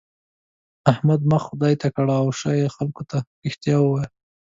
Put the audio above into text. احمده! مخ خدای ته کړه او شا خلګو ته؛ رښتيا ووايه.